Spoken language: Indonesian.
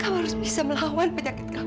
kau harus bisa melawan penyakit kamu